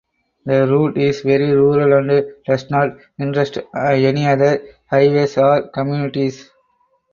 The route is very rural and does not intersect any other highways or communities.